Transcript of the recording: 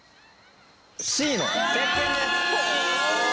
Ｃのせっけんです！